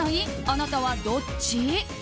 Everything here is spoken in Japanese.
あなたはどっち？